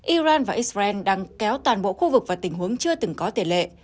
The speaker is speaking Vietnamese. iran và israel đang kéo toàn bộ khu vực và tình huống chưa từng có tiền lệ